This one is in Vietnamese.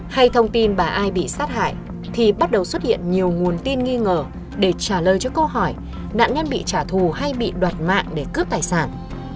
hay thông tin bà ai bị sát hại thì bắt đầu xuất hiện nhiều nguồn tin nghi ngờ để trả lời cho câu hỏi nạn nhân bị trả thù hay bị đoạt mạng để cướp tài sản